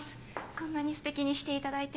こんなに素敵にしていただいて。